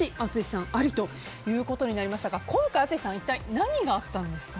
淳さん、ありということになりましたが今回、淳さん一体何があったんですか？